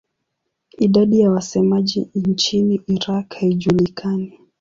Idadi ya wasemaji nchini Iraq haijulikani.